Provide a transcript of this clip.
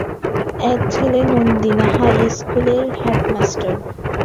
এক ছেলে Nandina হাইস্কুলের head master.